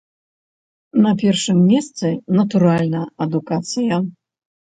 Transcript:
На першым месцы, натуральна, адукацыя.